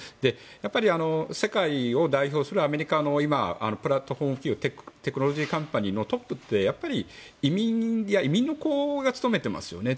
やっぱり世界を代表するアメリカのプラットホームテクノロジーカンパニーのトップって移民や移民の子が務めていますよね。